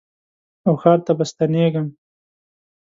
او ښار ته به ستنېږم